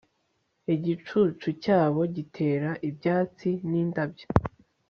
igicucu cyabo giterera ibyatsi n'indabyo